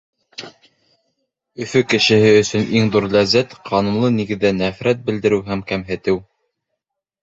Өфө кешеһе өсөн иң ҙур ләззәт — ҡанунлы нигеҙҙә нәфрәт белдереү һәм кәмһетеү.